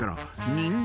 人間。